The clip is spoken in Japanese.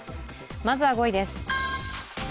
まずは５位です。